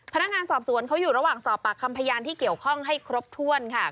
พนักงานสอบสวนเขาอยู่ระหว่างสอบปากคำพยานที่เกี่ยวข้องให้ครบถ้วนค่ะ